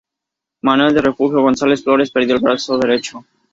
Manuel del Refugio González Flores perdió el brazo derecho.